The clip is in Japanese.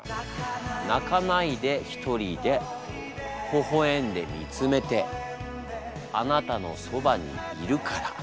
「泣かないでひとりでほゝえんでみつめてあなたのそばにいるから」。